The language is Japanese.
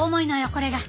これが！